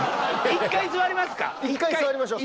１回座りましょう。